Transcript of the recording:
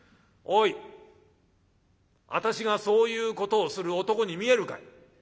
おい私がそういうことをする男に見えるかい？